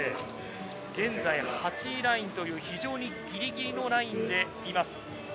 現在８位ラインという非常にギリギリのラインにいます。